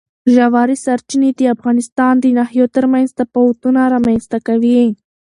ژورې سرچینې د افغانستان د ناحیو ترمنځ تفاوتونه رامنځ ته کوي.